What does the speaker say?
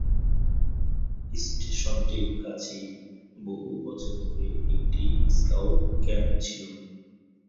স্টেশনটির কাছেই বহু বছর ধরে একটি স্কাউট ক্যাম্প ছিল।